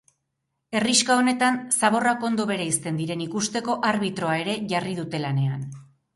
Herrixka honetan, zaborrak ondo bereizten diren ikusteko arbitroa ere jarri dute lanean.